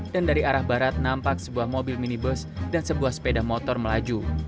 dan dari arah barat nampak sebuah mobil minibus dan sebuah sepeda motor melaju